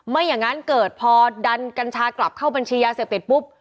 ไม่อย่างนั้นเกิดพอดันกัญชากลับเข้าบัญชียาเสพติดปุ๊บ